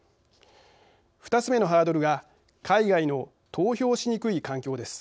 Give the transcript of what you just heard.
２つ目のハードルが海外の投票しにくい環境です。